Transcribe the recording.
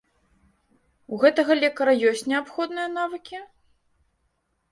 У гэтага лекара ёсць неабходныя навыкі?